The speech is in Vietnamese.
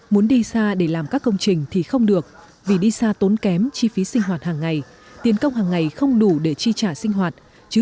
muốn đi xa để làm các công trình thì không được vì đi xa tốn kém chi phí sinh hoạt hàng ngày tiền công hàng ngày không đủ để chi trả sinh hoạt